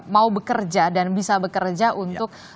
mau bekerja dan bisa bekerja untuk